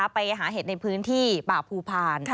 ไปหาเห็ดในพื้นที่ป่าภูพาล